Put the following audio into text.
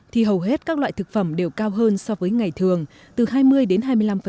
thì hầu hết các loại thực phẩm đều cao hơn so với ngày thường từ hai mươi đến hai mươi năm